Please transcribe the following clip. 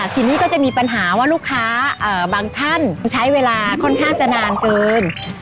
ทีนี้ก็จะมีปัญหาว่าลูกค้าบางท่านใช้เวลาค่อนข้างจะนานเกิน